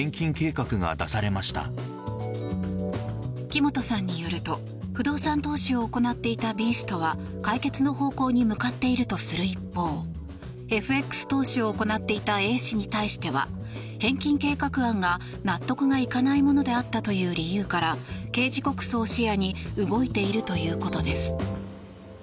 木本さんによると不動産投資を行っていたＢ氏とは解決の方向に向かっているとする一方ＦＸ投資を行っていたＡ氏に対しては返金計画案が納得がいかないものであったという理由から刑事告訴を視野に動いているということです。